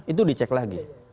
itu dicek lagi